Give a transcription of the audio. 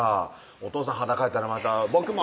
お父さん裸やったらまた「僕も！」